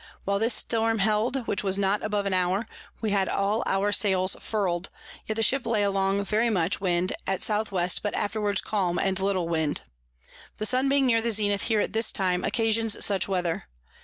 While this Storm held, which was not above an hour, we had all our Sails furl'd; yet the Ship lay along very much. Wind at S W. but afterwards calm, and little Wind. The Sun being near the Zenith here at this time, occasions such Weather.